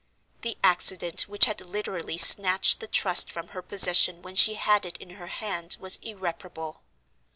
The accident which had literally snatched the Trust from her possession when she had it in her hand was irreparable.